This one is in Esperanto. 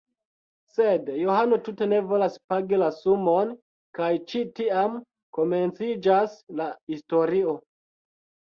Sed Johano tute ne volas pagi la sumon kaj ĉi tiam komenciĝas la historio.